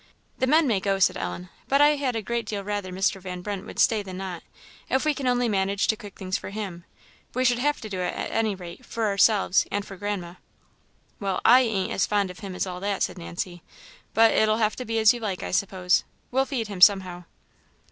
"The men may go," said Ellen, "but I had a great deal rather Mr. Van Brunt would stay than not if we can only manage to cook things for him; we should have to do it, at any rate, for ourselves, and for grandma." "Well I ain't as fond of him as all that," said Nancy, "but it'll have to be as you like, I suppose. We'll feed him somehow."